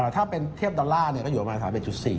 ถ้าเทียบดอลลาร์ก็อยู่ประมาณ๓๑๔บาท